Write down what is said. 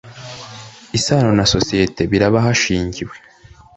Isano na sosiyete bireba hashingiwe